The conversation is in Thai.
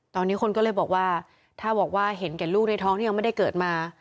ตอนนี้คนก็เลยบอกว่าถ้าบอกว่าเห็นแก่ลูกในท้องที่ยังไม่ได้เกิดมา